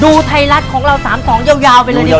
ดูไทยรัฐของเรา๓๒ยาวไปเลยดีกว่า